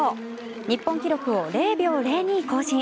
日本記録を０秒０２更新。